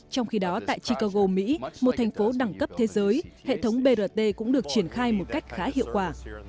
trong khi đó tại chicago mỹ một thành phố đẳng cấp thế giới hệ thống brt cũng được triển khai một cách khá hiệu quả